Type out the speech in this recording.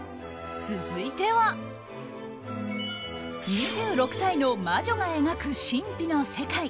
続いては２６歳の魔女が描く神秘の世界。